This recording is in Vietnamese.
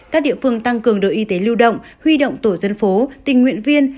các địa phương tăng cường đội y tế lưu động huy động tổ dân phố tình nguyện viên